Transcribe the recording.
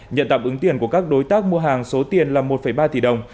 nhận tạm ứng tiền của các đối tác mua hàng số tiền là một ba tỷ đồng